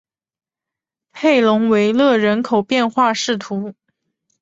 佩龙维勒人口变化图示